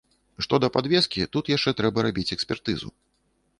Што да падвескі, тут яшчэ трэба рабіць экспертызу.